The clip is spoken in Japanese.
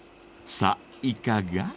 ［さぁいかが？］